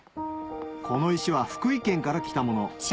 この石は福井県から来たもの